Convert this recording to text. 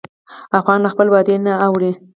افغان له خپل وعدې نه اوړي.